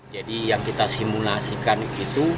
jadi yang kita simulasikan itu